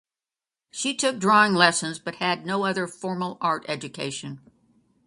She took drawing lessons but had no other formal art education.